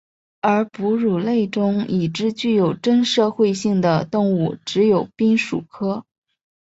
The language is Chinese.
而哺乳类中已知具有真社会性的动物只有滨鼠科。